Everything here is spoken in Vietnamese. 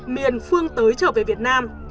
miền phương tới trở về việt nam